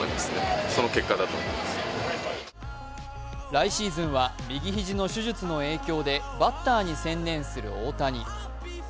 来シーズンは右肘の手術の影響でバッターに専念する大谷。